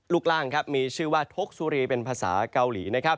ลูกร่างมีชื่อว่าทกสุรีเป็นภาษาเกาหลี